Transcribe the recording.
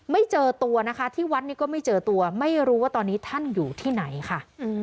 เจอตัวนะคะที่วัดนี้ก็ไม่เจอตัวไม่รู้ว่าตอนนี้ท่านอยู่ที่ไหนค่ะ